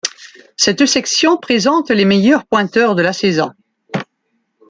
Cette section présente les meilleurs pointeurs de la saison.